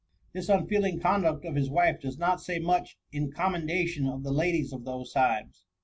This unfeeling conduct of his wife does not say much in commendation of the ladies of those times.